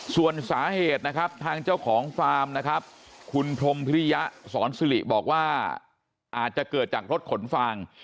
ส่วนสาเหตุนะครับทางเจ้าของฟาร์มนะครับคุณพรมพิริยะสอนสิริบอกว่าอาจจะเกิดจากรถขนฟาง